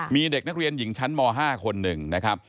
มีเด็กนักเรียนหญิงชั้นม๕คนหนึ่งนะครับ